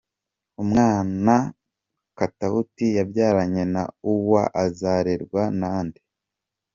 Umwana Katauti yabyaranye na Uwoya azarerwa na nde?.